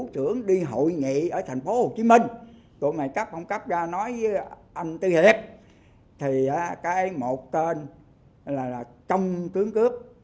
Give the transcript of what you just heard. còn tỉnh mới được